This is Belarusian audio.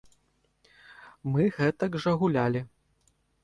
Мы гэтак жа гулялі.